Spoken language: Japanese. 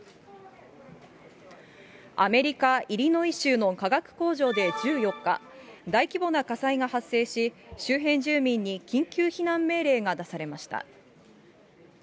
アメリカ・イリノイ州の化学工場で１４日、大規模な火災が発生し、周辺住民に緊急避難命令が出されました。